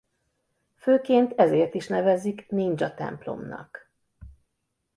Főként ezért is nevezik Nindzsa-templomnak.